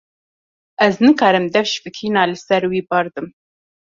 Ez nikarim dev ji fikirîna li ser wî berdim.